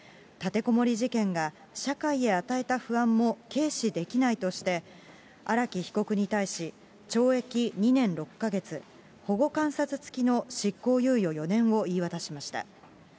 立てこもり事件が社会へ与えた不安も軽視できないとして、荒木被告に対し、懲役２年６か月保護観察付きの執行猶予４年を言い渡しました。